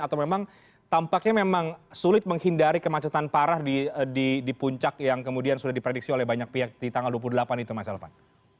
atau memang tampaknya memang sulit menghindari kemacetan parah di puncak yang kemudian sudah diprediksi oleh banyak pihak di tanggal dua puluh delapan itu mas elvan